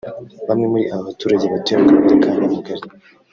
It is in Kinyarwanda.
Bamwe muri aba baturage batuye mu Kagari ka Nyamugari